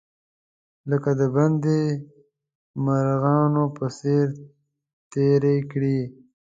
لکه د بندي مرغانو په څیر تیرې کړې.